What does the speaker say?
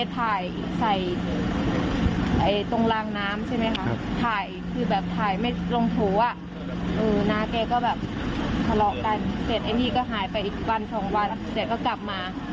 น้าแกก็แบบทะเลาะกันเสร็จไอ้นี่ก็หายไปอีกวันสองวันเสร็จก็กลับมา